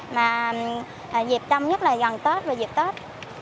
mà dịp trong nhất là gần tết và dịp tết